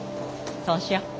そうしよう。